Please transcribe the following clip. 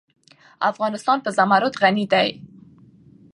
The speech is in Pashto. افغانستان په زمرد غني دی.